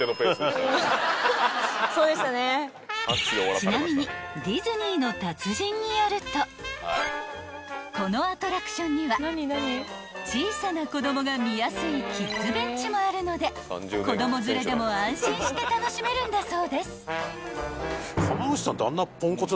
［ちなみにディズニーの達人によるとこのアトラクションには小さな子供が見やすいキッズベンチもあるので子供連れでも安心して楽しめるんだそうです］